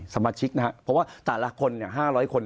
สมาชิกนะครับเพราะว่าแต่ละคน๕๐๐คน